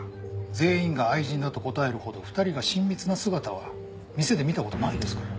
全員が愛人だと答えるほど２人が親密な姿は店で見た事ないですから。